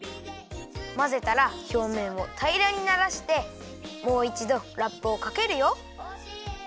まぜたらひょうめんをたいらにならしてもういちどラップをかけるよ。